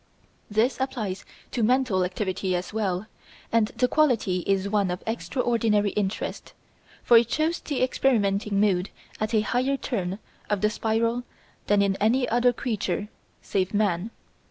This applies to mental activity as well, and the quality is one of extraordinary interest, for it shows the experimenting mood at a higher turn of the spiral than in any other creature, save man.